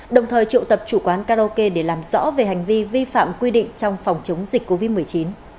đồng thời triệu tập chủ quán karaoke để làm rõ về hành vi vi phạm quy định trong phòng chống dịch covid một mươi chín